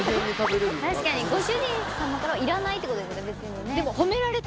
確かにご主人様からはいらないってことですよね